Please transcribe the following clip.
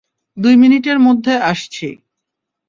দুই মিনিটের মধ্যে আসছি।